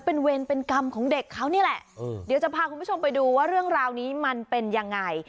เป็นเวรเป็นกรรมของเด็กเขานี่แหละเดี๋ยวจะพาคุณผู้ชมไปดูว่าเรื่องราวนี้มันเป็นยังไง